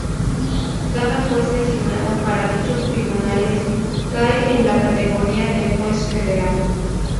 Cada juez designado para dichos tribunales cae en la categoría de juez federal.